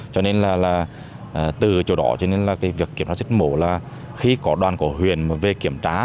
cho nên là từ chỗ đó cho nên là cái việc kiểm tra giết mổ là khi có đoàn cổ huyền mà về kiểm tra